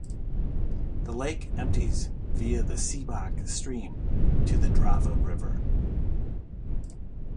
The lake empties via the Seebach stream to the Drava river.